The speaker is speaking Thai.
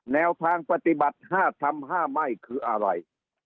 แนวทางปฏิบัติ๕ทำ๕ไม่คืออะไร